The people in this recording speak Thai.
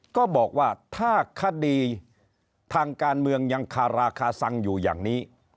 ก็บอกว่าถ้าคดีทางการเมืองยังคาราคาซังอยู่อย่างนี้